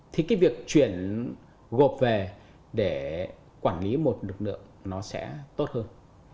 thì cái việc chuyển gộp về để quản lý một lực lượng nó sẽ tốt hơn